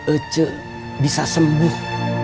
ece bisa sembuh